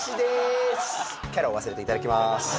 キャラを忘れていただきまーす